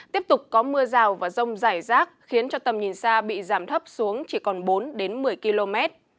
tiếp tục có mưa rào và rông rải rác khiến cho tầm nhìn xa bị giảm thấp xuống chỉ còn bốn đến một mươi km